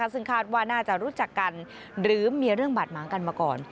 ซึ่งคาดว่าน่าจะรู้จักกันหรือมีเรื่องบาดหมางกันมาก่อน